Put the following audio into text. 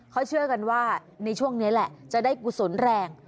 เขาเชื่อกันว่าในช่วงนี้แหละจะได้กุศลแรง